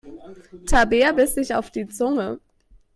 Tabea biss sich auf die Zunge.